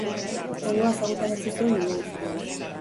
Tangoa ezagutarazi zuen mundu guztian.